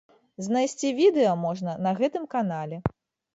Знайсці відэа можна на гэтым канале.